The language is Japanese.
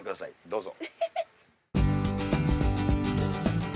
どうぞ。